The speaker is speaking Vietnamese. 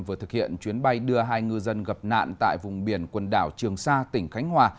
vừa thực hiện chuyến bay đưa hai ngư dân gặp nạn tại vùng biển quần đảo trường sa tỉnh khánh hòa